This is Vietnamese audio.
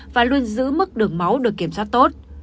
và luôn giữ mức được máu được kiểm soát tốt